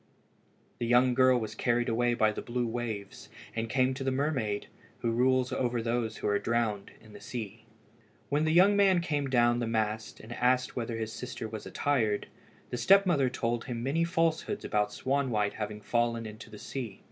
The young girl was carried away by the blue waves, and came to the mermaid who rules over all those who are drowned in the sea. When the young man came down the mast, and asked whether his sister was attired, the step mother told him many falsehoods about Swanwhite having fallen into the sea.